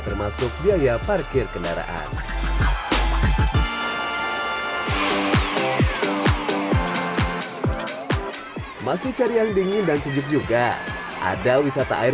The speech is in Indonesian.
termasuk biaya parkir kendaraan masih cari yang dingin dan sejuk juga ada wisata air